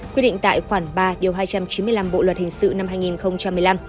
quy định tại khoản ba điều hai trăm chín mươi năm bộ luật hình sự năm hai nghìn một mươi năm